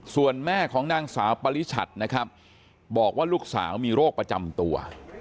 ส่วนแม่ของนางสาวปริชัดนะครับบอกว่าลูกสาวมีโรคประจำตัว